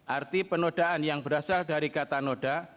arti penodaan yang berasal dari kata noda